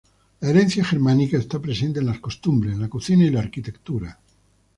La herencia germánica está presente en las costumbres, la cocina y la arquitectura.